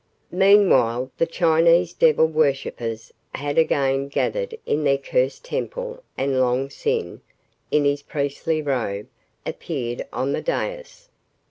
........ Meanwhile, the Chinese devil worshippers had again gathered in their cursed temple and Long Sin, in his priestly robe, appeared on the dais.